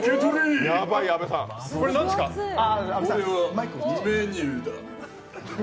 これはメニューだ。